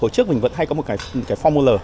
hồi trước mình vẫn hay có một cái phô mô lờ